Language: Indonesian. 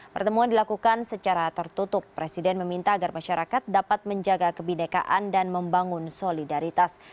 pertemuan dilakukan secara tertutup presiden meminta agar masyarakat dapat menjaga kebinekaan dan membangun solidaritas